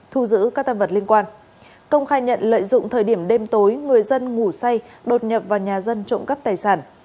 thu giữ các tam vật liên quan công khai nhận lợi dụng thời điểm đêm tối người dân ngủ say đột nhập vào nhà dân trộm cắp tài sản